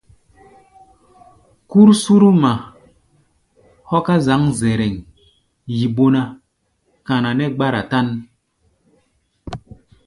Kúr Surma hɔ́ ká zǎŋ Zɛrɛŋ, yi bó ná, kana nɛ́ gbára tán.